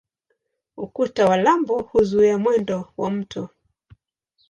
Ukuta wa lambo huzuia mwendo wa mto.